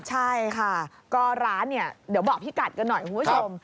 ใช่ค่ะก็ร้านเนี่ยเดี๋ยวบอกพี่กัดกันหน่อยคุณผู้ชม